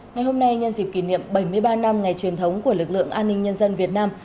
ngày hôm nay nhân dịp kỷ niệm bảy mươi ba năm ngày truyền thống của lực lượng an ninh nhân dân việt nam